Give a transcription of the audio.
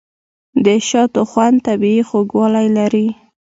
د شاتو خوند طبیعي خوږوالی لري.